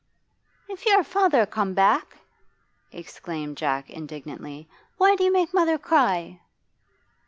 'If you're father come back,' exclaimed Jack indignantly, 'why do you make mother cry?